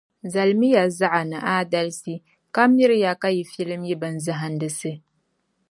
Zalimi ya zaɣa ni aadalsi, ka miri ya ka yi filim yi binzahindisi.